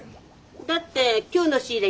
だって今日の仕入れ